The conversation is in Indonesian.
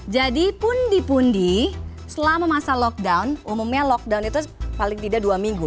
jadi pundi pundi selama masa lockdown umumnya lockdown itu paling tidak dua minggu